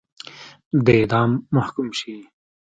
د اعدام محکوم شي.